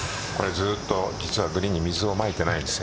ずっとグリーンに水をまいてないんです。